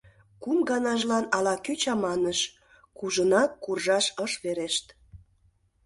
Кум ганажлан ала-кӧ чаманыш: кужунак куржаш ыш верешт.